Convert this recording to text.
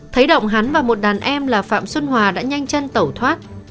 thấy động hắn và một đàn em là phạm xuân hòa đã nhanh chân tẩu thoát